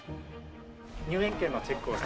入園券のチェックを。